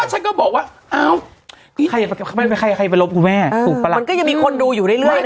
ก็ฉันก็บอกว่าอ้าวมันก็ยังมีคนดูอยู่เรื่อยนะ